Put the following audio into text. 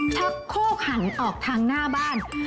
ชักโคกหันออกทางหน้าบ้าน